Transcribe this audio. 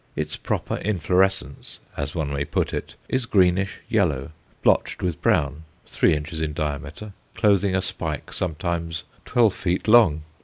Its proper inflorescence, as one may put it, is greenish yellow, blotched with brown, three inches in diameter, clothing a spike sometimes twelve feet long.